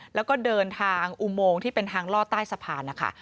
แล้วก็เดินทางอุโมงที่เป็นทางลอดใต้สะพานนะคะ